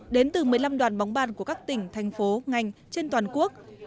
đến từ một mươi năm đoàn bóng bàn của các tỉnh thành phố ngành trên toàn quốc